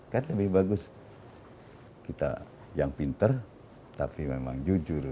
kan lebih bagus kita yang pinter tapi memang jujur